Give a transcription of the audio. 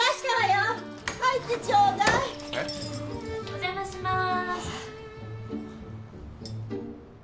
・お邪魔します。